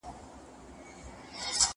هغه وویل چې اوبه مهمي دي!.